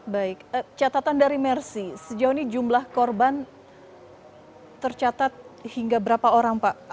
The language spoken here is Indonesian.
baik catatan dari mercy sejauh ini jumlah korban tercatat hingga berapa orang pak